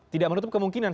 tidak menutup kemungkinan